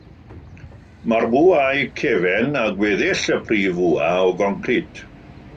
Mae'r bwâu cefn a gweddill y prif fwa o goncrit.